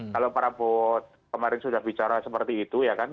kalau prabowo kemarin sudah bicara seperti itu ya kan